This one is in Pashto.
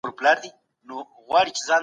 که موږ هڅه وکړو نو خامخا هدف ته رسېږو.